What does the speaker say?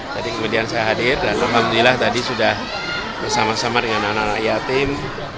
jadi kemudian saya hadir dan alhamdulillah tadi sudah bersama sama dengan anak anak yatim